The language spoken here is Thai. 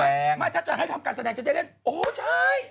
มันเป็นวิธีการแสดงถ้าเจ๊ให้ทำการแสดงเจ๊จะเล่นโอ่ใช่